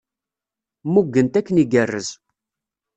Mmugen-t akken igerrez.